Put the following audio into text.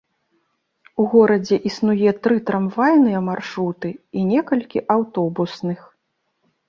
У горадзе існуе тры трамвайныя маршруты і некалькі аўтобусных.